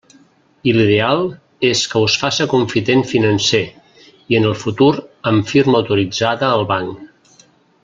I l'ideal és que us faça confident financer, i en el futur amb firma autoritzada al banc.